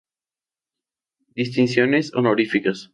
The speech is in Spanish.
Distinciones honoríficas